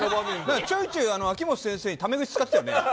ちょいちょい秋元先生にため口使ってたよね。